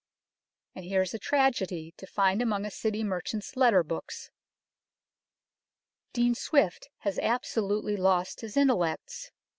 And here is a tragedy to find among a City merchant's letter books " Dean Swift has absolutely lost his Intellects.